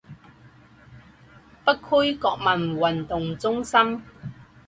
北区国民运动中心